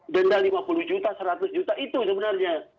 denda lima puluh juta seratus juta itu sebenarnya